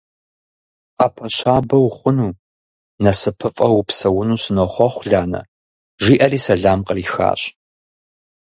- Ӏэпэ щабэ ухъуну, насыпыфӀэу упсэуну сынохъуэхъу, Ланэ! – жиӀэри сэлам кърихащ.